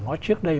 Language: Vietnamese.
nói trước đây